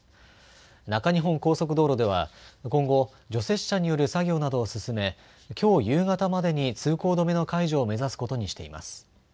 中日本高速道路では今後、除雪車による作業などを進めきょう夕方までに通行止めの解除を目指すことにしています。